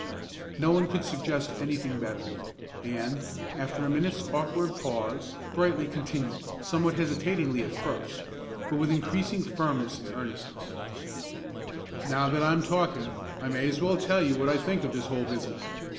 No one could suggest anything better; and, after a minute's awkward pause, Brightly continued, somewhat hesitatingly at first, but with increasing firmness and earnestness, "Now that I'm talking, I may as well tell you what I think of this whole business.